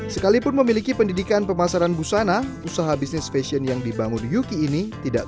sekalipun memiliki pendidikan pemasaran busana usaha bisnis fashion yang dibangun yuki ini tidak